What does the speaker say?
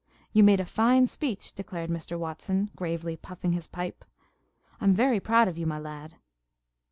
"You made a fine speech," declared Mr. Watson, gravely puffing his pipe. "I am very proud of you, my lad."